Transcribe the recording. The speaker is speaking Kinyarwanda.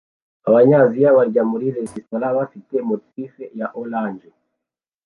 Abanyaziya barya muri resitora bafite motif ya orange